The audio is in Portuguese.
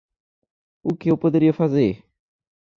O que eu poderia fazer?